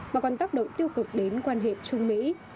mà còn tác động tiêu cực đến quan hệ trung mỹ